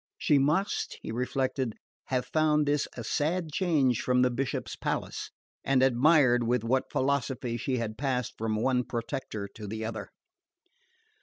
"She must," he reflected, "have found this a sad change from the Bishop's palace;" and admired with what philosophy she had passed from one protector to the other.